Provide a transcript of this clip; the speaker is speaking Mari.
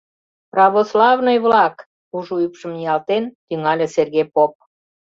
— Православный-влак! — кужу ӱпшым ниялтен, тӱҥале Сергей поп.